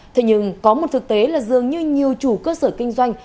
thế nhưng có một thực tế là dường như nhiều chủ cơ sở kinh doanh